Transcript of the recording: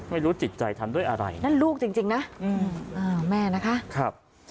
ไม่รู้จิตใจทำด้วยอะไรนั่นลูกจริงนะแม่นะคะ